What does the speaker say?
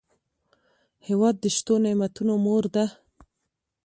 هېواد د شتو نعمتونو مور ده.